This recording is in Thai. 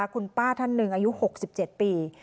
คุณป้าท่านหนึ่งอายุหกสิบเจ็ดปี